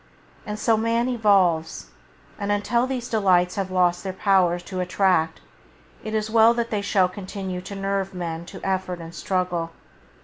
And so man evolves, and until these delights have lost their power to attract, it is well that they shall continue to nerve men to effort and struggle.